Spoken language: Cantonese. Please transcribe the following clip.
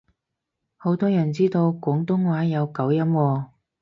好多人知道廣東話有九聲喎